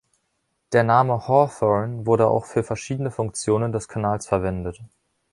Der Name Hawthorne wurde auch für verschiedene Funktionen des Kanals verwendet.